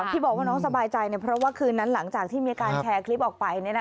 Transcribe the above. ที่บอกว่าน้องสบายใจเพราะว่าคืนนั้นหลังจากที่มีการแชร์คลิปออกไป